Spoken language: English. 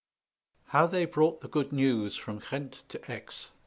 HOW THEY BROUGHT THE GOOD NEWS FROM GHENT TO AIX.